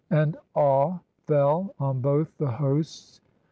And awe fell on both the hosts.